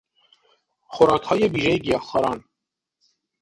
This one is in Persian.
خوراکهای ویژهی گیاهخواران